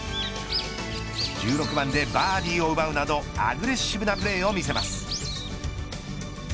１６番でバーディーを奪うなどアグレッシブなプレーを見せます。